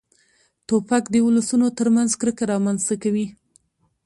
توپک د ولسونو تر منځ کرکه رامنځته کوي.